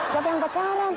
siapa yang pacaran